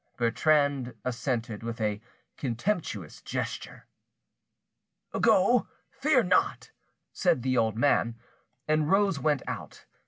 Bertrande assented with a contemptuous gesture. "Go, fear not," said the old man, and Rose went out.